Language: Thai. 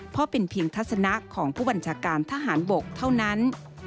เพราะเป็นเพียงทัศนะของผู้บัญชาการทหารบกเท่านั้น